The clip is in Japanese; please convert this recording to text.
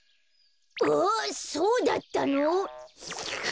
ああそうだったの？